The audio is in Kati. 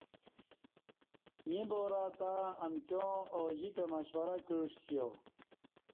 ییں بارہ تہ امکیاں اوجِکہ مشورہ کعسِیا ۔